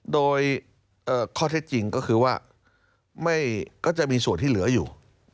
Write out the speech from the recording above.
โดยข้อที่จริงก็จะมีส่วนที่เหลืออยู่